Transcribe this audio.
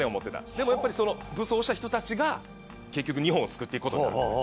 でもやっぱりその武装した人たちが結局日本をつくっていくことになるんですね。